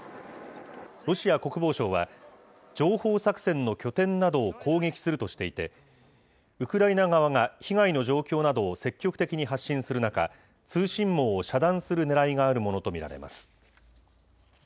ロシア国防省は、情報作戦の拠点などを攻撃するとしていて、ウクライナ側が被害の状況などを積極的に発信する中、通信網を遮断するねらいがあるものと見られます。